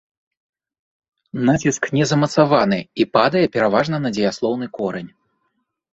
Націск не замацаваны, і падае, пераважна, на дзеяслоўны корань.